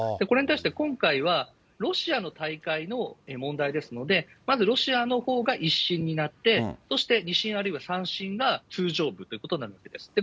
これに対して、今回はロシアの大会の問題ですので、まずロシアのほうが１審になって、そして２審、あるいは３審が通常部ということになります。